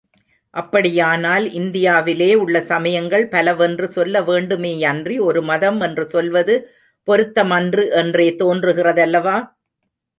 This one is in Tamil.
அப்படியானால், இந்தியாவிலே உள்ள சமயங்கள் பலவென்று சொல்ல வேண்டுமேயன்றி, ஒரு மதம் என்று சொல்வது பொருத்தமன்று என்றே தோன்றுகிறதல்லவா?